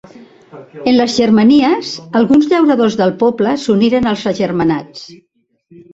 En les Germanies, alguns llauradors del poble s'uniren als agermanats.